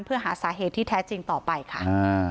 เพื่อหาสาเหตุที่แท้จริงต่อไปค่ะ